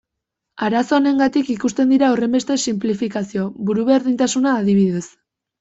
Arazo honegatik ikusten dira horrenbeste sinplifikazio, buruberdintasuna, adibidez.